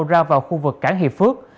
ra vào khu vực cảng hiệp phước